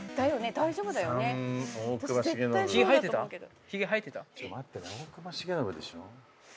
大隈重信でしょ